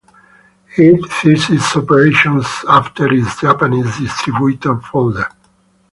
It ceased operations after its Japanese distributor folded.